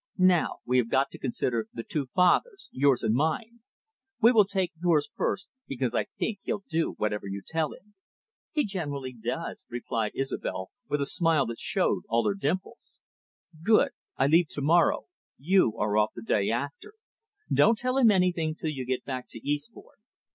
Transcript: "Now, we have got to consider the two fathers, yours and mine. We will take yours first, because I think he'll do whatever you tell him." "He generally does," replied Isobel, with a smile that showed all her dimples. "Good. I leave to morrow, you are off the day after. Don't tell him anything till you get back to Eastbourne.